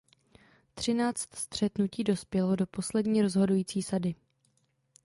Třináct střetnutí dospělo do poslední rozhodující sady.